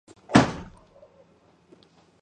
აჯანყებულებმა გაბაშვილის რაზმს ცეცხლი გაუხსნეს.